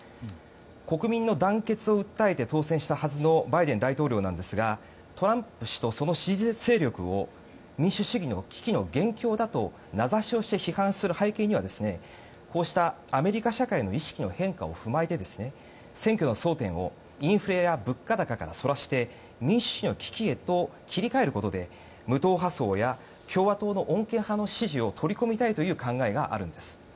国民の団結を訴えて当選したはずのバイデン大統領なんですがトランプ氏とその支持勢力を民主主義の危機の元凶だと名指しをして批判する背景にはこうした、アメリカ社会の意識の変化を踏まえて、選挙の争点をインフレや物価高から民主主義の危機へと切り替えることで無党派層や共和党の穏健派の支持を取り込みたいという考えがあるんです。